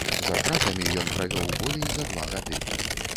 За кратамі ён правёў болей за два гады.